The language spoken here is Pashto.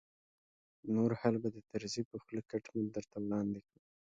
نور حال به د طرزي په خوله کټ مټ درته وړاندې کړم.